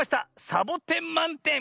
サボテンまんてん！